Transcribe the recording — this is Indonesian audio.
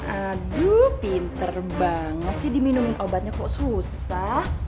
aduh pinter banget sih diminumin obatnya kok susah